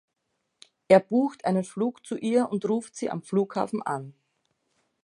Er bucht einen Flug zu ihr und ruft sie am Flughafen an.